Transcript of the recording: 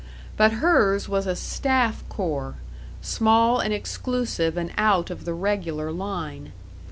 But hers was a staff corps, small and exclusive and out of the regular line.